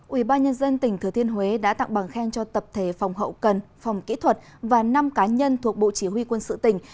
ubnd tỉnh thừa thiên huế đã tặng bằng khen cho tập thể phòng hậu cần phòng kỹ thuật và năm cá nhân thuộc bộ chỉ huy quân sự tỉnh